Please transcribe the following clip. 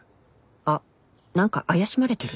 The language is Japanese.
あっ何か怪しまれてる？